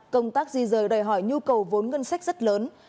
công tác di rời đòi hỏi nhu cầu vốn ngân sách rất lớn